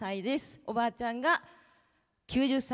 おばあちゃんが９０歳。